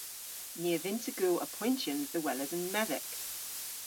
Ni a vynnsa gul apoyntyans dhe weles an medhek.